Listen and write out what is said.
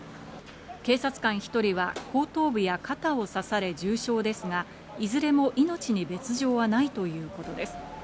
警察官１人は後頭部や肩を刺され重傷ですが、いずれも命に別条はないということです。